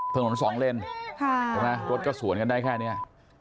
ถนนสองเล่นรถก็สวนกันได้แค่นี้